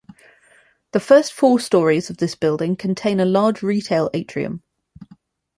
The first four stories of this building contain a large retail atrium.